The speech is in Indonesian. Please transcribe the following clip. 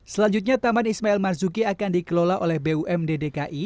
selanjutnya taman ismail marzuki akan dikelola oleh bumddki